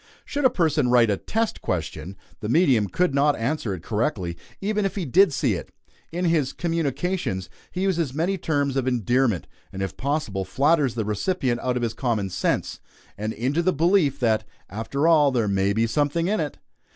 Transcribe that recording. Should a person write a test question, the medium could not answer it correctly even if he did see it. In his "communications" he uses many terms of endearment, and if possible flatters the recipient out of his common sense, and into the belief that "after all there may be something in it!"